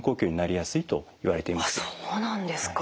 そうなんですか。